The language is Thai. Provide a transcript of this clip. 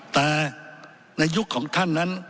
แต่ในยุคของท่านนั้น